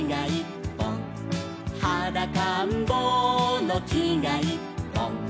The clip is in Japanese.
「はだかんぼうのきがいっぽん」